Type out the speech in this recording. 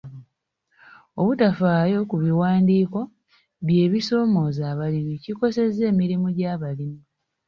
Obutafaayo ku biwandiiko by'ebisoomooza abalimi kikosezza emirimu gy'abalimi.